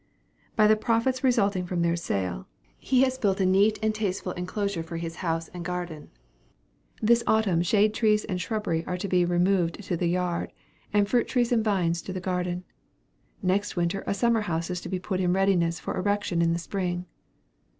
By the profits resulting from their sale, he has built a neat and tasteful enclosure for his house and garden. This autumn shade trees and shrubbery are to be removed to the yard, and fruit trees and vines to the garden. Next winter a summer house is to be put in readiness for erection in the spring.